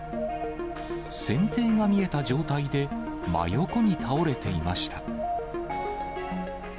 船底が見えた状態で真横に倒れていました。